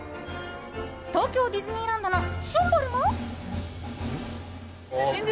東京ディズニーランドのシンボルも。